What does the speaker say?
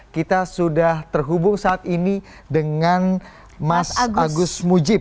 kita sudah terhubung saat ini dengan mas agus mujib